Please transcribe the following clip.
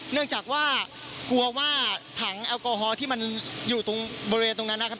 เนื่องจากว่ากลัวว่าถังแอลกอฮอล์ที่มันอยู่ตรงบริเวณตรงนั้นนะครับ